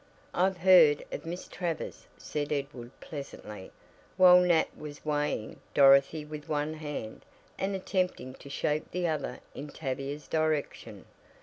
"I've heard of Miss Travers," said Edward pleasantly, while Nat was "weighing" Dorothy with one hand, and attempting to shake the other in Tavia's direction.